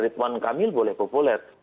ibn kamil boleh populer